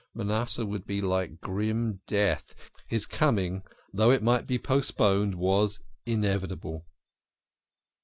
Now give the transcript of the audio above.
Manasseh would be like grim death his coming, though it might be postponed, was inevitable.